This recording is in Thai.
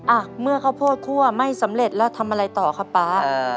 อ่ะเมื่อข้าวโพดคั่วไม่สำเร็จแล้วทำอะไรต่อครับป๊า